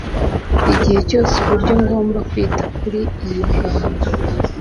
igihe cyose uburyo ngomba kwita kuri iyi ngando